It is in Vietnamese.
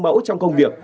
gương mẫu trong công việc